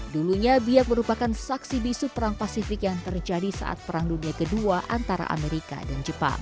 dulunya biak merupakan saksi bisu perang pasifik yang terjadi saat perang dunia ii antara amerika dan jepang